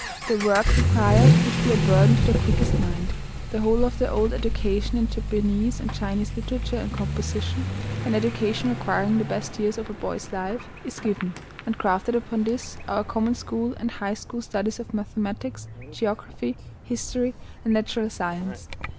The work required would be a burden to the quickest mind. The whole of the old education in Japanese and Chinese literature and composition an education requiring the best years of a boy's life is given, and grafted upon this, our common school and high school studies of mathematics, geography, history, and natural science.